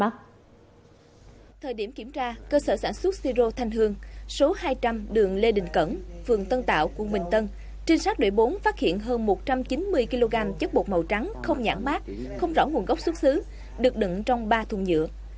trên đường lê đình cẩn phường tân tạo quận bình tân trinh sát đội bốn phát hiện hơn một trăm chín mươi kg chất bột màu trắng không nhãn bát không rõ nguồn gốc xuất xứ được đựng trong ba thùng nhựa